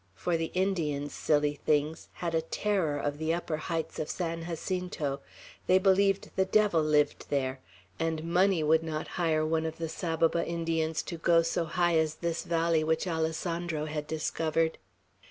For the Indians, silly things, had a terror of the upper heights of San Jacinto; they believed the Devil lived there, and money would not hire one of the Saboba Indians to go so high as this valley which Alessandro had discovered.